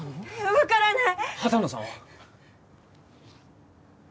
分からない